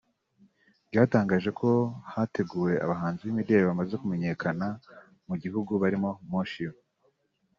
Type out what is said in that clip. ryatangaje ko hateguwe abahanzi b’imideli bamaze kumenyakana mu gihugu barimo Moshions